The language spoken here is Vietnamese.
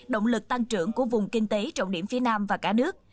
động lực tăng trưởng của vùng kinh tế trọng điểm phía nam và cả nước